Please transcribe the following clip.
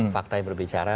fakta yang berbicara